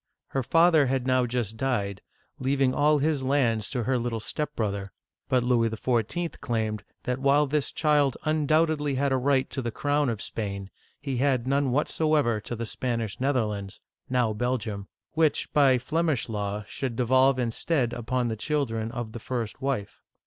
^ Her father had now just died, leaving all his lands to her little step brother; but Louis XIV. claimed that while this child undoubtedly had a right to the crown of Spain, he had none whatever to the Spanish Netherlands (now Belgium), which by Flemish law shoul.d devolve instead upon the children of the first wife.